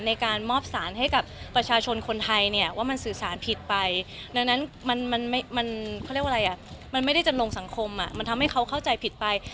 ในการมอบสารให้กับประชาชนคนไทยเนี่ยว่ามันสื่อสารผิดไปดังนั้นมันไม่ได้จำลงสังคมมันทำให้เขาเข้าใจผิดไป